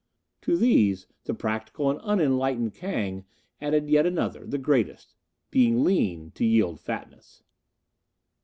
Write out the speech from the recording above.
"To these the practical and enlightened Kang added yet another, the greatest: Being lean, to yield fatness."